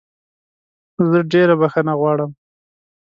زه ډېره بخښنه غواړم